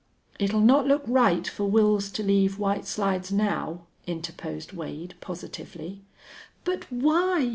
"It'll not look right for Wils to leave White Slides now," interposed Wade, positively. "But why?